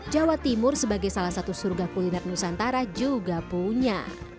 jawa timur sebagai salah satu surga kuliner nusantara juga punya